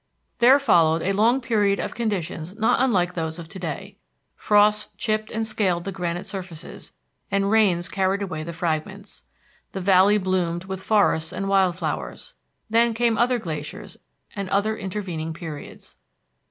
There followed a long period of conditions not unlike those of to day. Frosts chipped and scaled the granite surfaces, and rains carried away the fragments. The valley bloomed with forests and wild flowers. Then came other glaciers and other intervening periods.